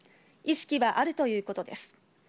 意識はあるということです。